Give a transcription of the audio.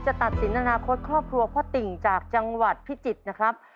ตัดสินอนาคตครอบครัวพ่อติ่งจากจังหวัดพิจิตรนะครับ